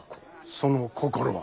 その心は？